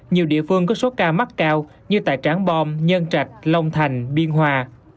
nhiều địa phương có số ca mắc cao như tại trảng bom nhân trạch long thành biên hòa